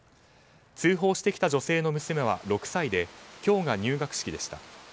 通報してきた女性の娘は６歳で今日が入学式でした。